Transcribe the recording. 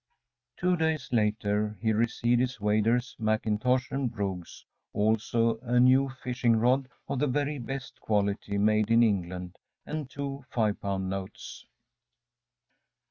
Two days later he received his waders, mackintosh, and brogues; also a new fishing rod of the very best quality made in England, and two five pound notes.